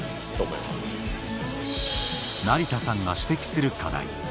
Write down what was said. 成田さんが指摘する課題